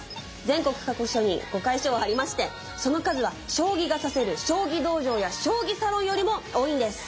全国各所に碁会所はありましてその数は将棋が指せる将棋道場や将棋サロンよりも多いんです。